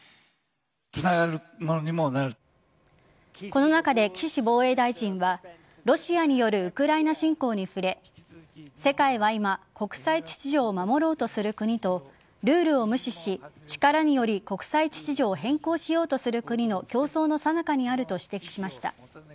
この中で岸防衛大臣はロシアによるウクライナ侵攻に触れ世界は今国際秩序を守ろうとする国とルールを無視し、力により国際秩序を変更しようとする国の競争のさなかにあると指摘しました。